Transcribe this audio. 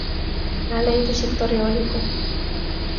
Na Lei do sector eólico.